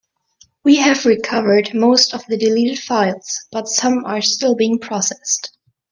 We have recovered most of the deleted files, but some are still being processed.